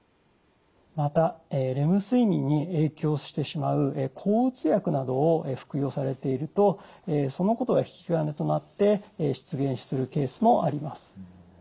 またレム睡眠に影響してしまう抗うつ薬などを服用されているとそのことが引き金となって出現するケースもあります。